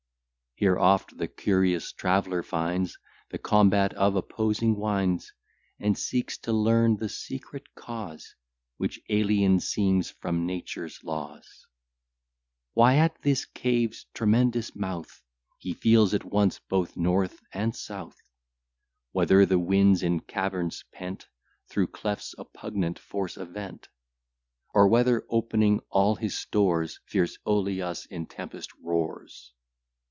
Here oft the curious traveller finds The combat of opposing winds; And seeks to learn the secret cause, Which alien seems from nature's laws; Why at this cave's tremendous mouth, He feels at once both north and south; Whether the winds, in caverns pent, Through clefts oppugnant force a vent; Or whether, opening all his stores, Fierce Æolus in tempest roars.